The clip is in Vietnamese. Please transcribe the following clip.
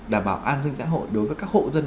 đảm bảo an ninh giã hội đối với các hộ dân